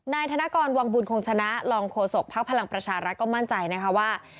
นายธนกรวังบุญคงชนะรองโฆษกภักดิ์พลังประชารัฐก็มั่นใจนะคะว่า